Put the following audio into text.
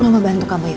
mama bantu kamu yuk